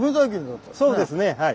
そうですねはい。